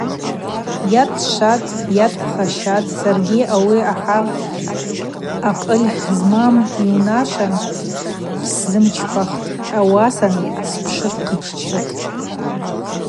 Йа дшватӏ, йа дпхащатӏ, саргьи ауи ахӏа акъыль змам йунашва гьсымчпахтӏ, ауаса спшвырхъыччатӏ.